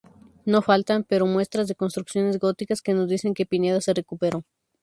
No faltan, pero, muestras de construcciones góticas que nos dicen que Pineda se recuperó.